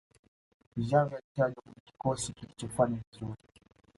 xavi alitajwa kwenye kikosi kilichofanya vizuri